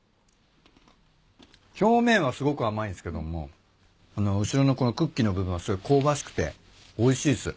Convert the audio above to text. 表面はすごく甘いんすけども後ろのこのクッキーの部分はすごい香ばしくておいしいっす。